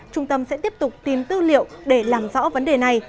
trung tâm sẽ tiếp tục tìm tư liệu để làm rõ vấn đề này